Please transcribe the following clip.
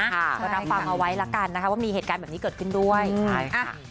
เพราะน้ำฟังเอาไว้ละกันนะคะว่ามีเหตุการณ์แบบนี้เกิดขึ้นด้วย